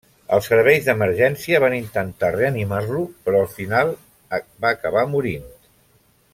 Els serveis d'emergència van intentar reanimar-lo però al final va acabar morint.